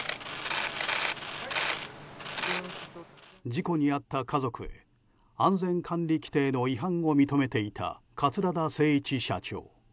事故に遭った家族へ安全管理規程の違反を認めていた桂田精一社長。